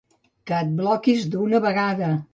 Que et bloquis d'una vegada.